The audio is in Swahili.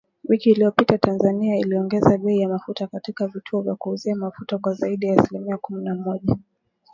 Wiki iliyopita Tanzania iliongeza bei ya mafuta katika vituo vya kuuzia mafuta kwa zaidi ya asilimia kumi na moja